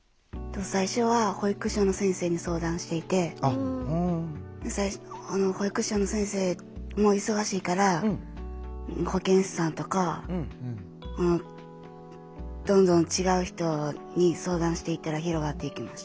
最初は保育所の先生に相談していて保育所の先生も忙しいから保健師さんとかどんどん違う人に相談していったら広がっていきました。